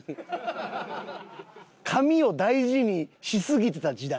髪を大事にしすぎてた時代。